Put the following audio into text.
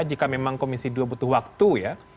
jika memang komisi dua butuh waktu ya